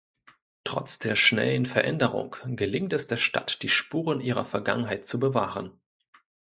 Trotz der schnellen Veränderung gelingt es der Stadt die Spuren ihrer Vergangenheit zu bewahren.